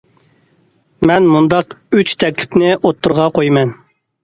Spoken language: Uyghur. مەن مۇنداق ئۈچ تەكلىپنى ئوتتۇرىغا قويىمەن.